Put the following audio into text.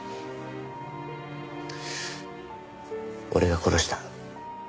俺が殺した。